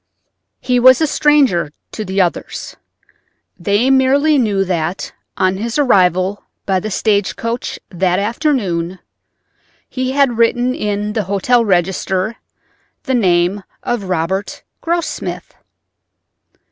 He was a stranger to the others. They merely knew that on his arrival by the stage coach that afternoon he had written in the hotel register the name of Robert Grossmith.